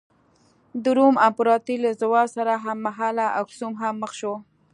د روم امپراتورۍ له زوال سره هممهاله اکسوم هم مخ شو.